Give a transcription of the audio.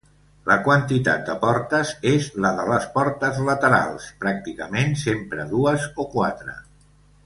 La quantitat de portes és la de les portes laterals, pràcticament sempre dues o quatre.